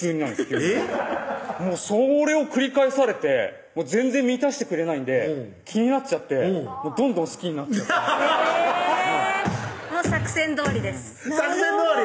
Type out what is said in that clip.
急にそれを繰り返されて全然満たしてくれないんで気になっちゃってどんどん好きになっちゃってアハハハッ作戦どおりです作戦どおり？